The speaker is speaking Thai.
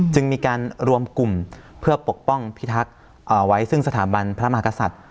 จึงมีการรวมกลุ่มเพื่อปกป้องพิทักษ์ไว้ซึ่งสถาบันพระมหากษัตริย์